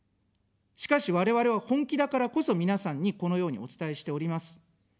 しかし我々は本気だからこそ皆さんにこのようにお伝えしております。